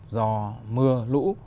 do mưa lũ